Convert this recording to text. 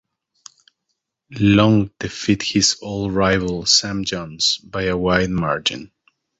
Long defeated his old rival Sam Jones by a wide margin.